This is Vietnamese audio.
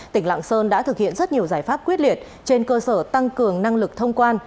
tỉnh lạng sơn đã thực hiện rất nhiều giải pháp quyết liệt trên cơ sở tăng cường năng lực thông quan